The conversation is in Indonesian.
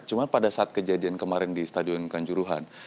cuma pada saat kejadian kemarin di stadion kanjuruhan